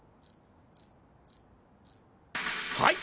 はい！